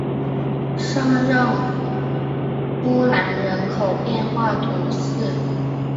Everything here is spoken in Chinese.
圣让夫兰人口变化图示